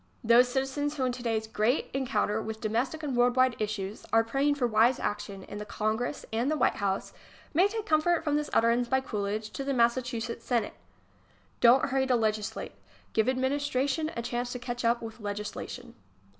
Those citizens who in today's great encounter with domestic and world wide issues are praying for wise action in the Congress and the White House may take comfort from this utterance by Coolidge to the Massachusetts Senate: ... Don t hurry to legislate. Give adminis tration a chance to catch up ivith legislation.